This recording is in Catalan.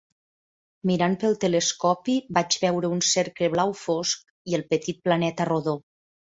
Mirant pel telescopi, vaig veure un cercle blau fosc i el petit planeta rodó.